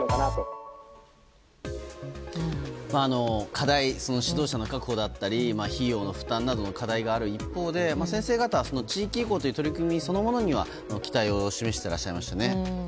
課題、指導者や費用の負担などがある中で先生方は地域移行という取り組みそのものには期待を示していらっしゃいました。